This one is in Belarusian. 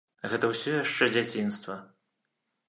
Гэта ўсё яшчэ дзяцінства.